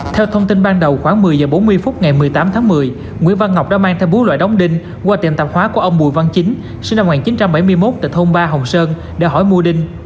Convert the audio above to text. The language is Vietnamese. theo thông tin ban đầu khoảng một mươi h bốn mươi phút ngày một mươi tám tháng một mươi nguyễn văn ngọc đã mang theo bốn loại đóng đinh qua tiệm tạp hóa của ông bùi văn chính sinh năm một nghìn chín trăm bảy mươi một tại thôn ba hồng sơn để hỏi mua đinh